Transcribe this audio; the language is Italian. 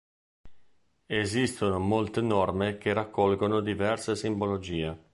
Esistono molte norme che raccolgono diverse simbologie.